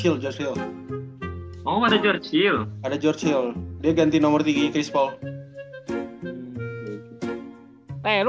lebron seksual ya nih lebron seksual